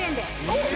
おっ！